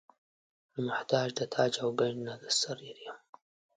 نه محتاج د تاج او ګنج نه د سریر یم.